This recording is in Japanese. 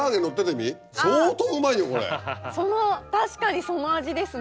確かにその味ですね。